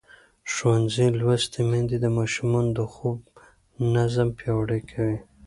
ښوونځې لوستې میندې د ماشومانو د خوب نظم پیاوړی کوي.